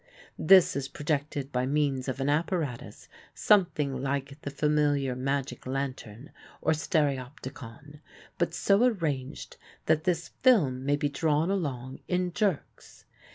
This is projected by means of an apparatus something like the familiar magic lantern or stereopticon, but so arranged that this film may be drawn along in jerks.